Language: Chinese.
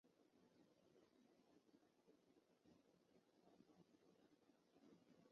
中华民国与缅甸关系是指中华民国与缅甸联邦共和国之间的关系。